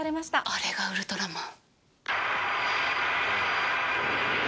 あれがウルトラマン。